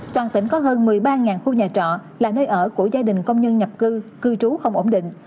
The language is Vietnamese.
toàn tỉnh có hơn một mươi ba khu nhà trọ là nơi ở của gia đình công nhân nhập cư cư cư trú không ổn định